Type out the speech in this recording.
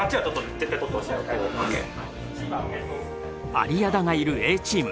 有屋田がいるＡチーム。